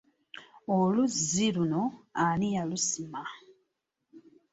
Oluzzi luno ani yalusima?